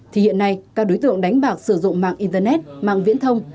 thì hiện nay các đối tượng đánh bạc sử dụng mạng internet mạng viễn thông